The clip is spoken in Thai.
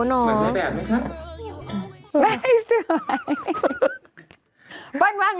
ตรงแบบรึหรอ